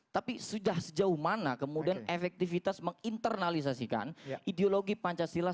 tapi sudah sejauh mana kemudian efektivitas menginternalisasikan ideologi pancasila